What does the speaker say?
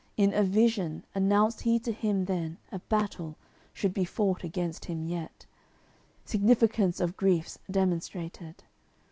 In a vision announced he to him then A battle, should be fought against him yet, Significance of griefs demonstrated.